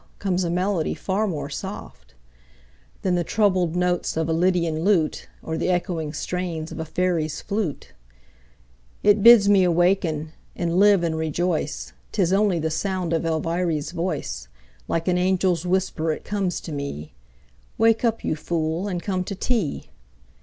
comes a melody far more soft Than the troubled notes of a lydian lute Or the echoing strains of a fairy's flute; It bids me awaken and live and rejoice, 'Tis only the sound of Elviry's voice Like an angel's whisper it comes to me: "Wake up, you fool, and come to tea."